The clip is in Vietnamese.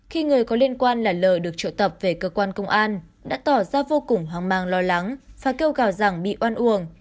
khi người có liên quan là lời được triệu tập về cơ quan công an đã tỏ ra vô cùng hoang mang lo lắng và kêu gào rằng bị oan uổng